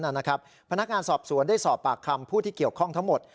พนักงานสอบสวนได้สอบปากคำผู้ที่เกี่ยวข้องทั้งหมด